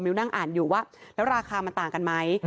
นั่งอ่านอยู่ว่าแล้วราคามันต่างกันไหม